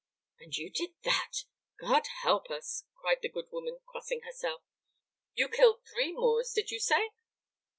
"And you did that? God help us! God help us!" cried the good woman, crossing herself. "You killed three Moors, did you say?